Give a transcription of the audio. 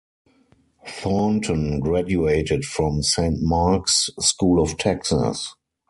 Thornton graduated from Saint Mark's School of Texas.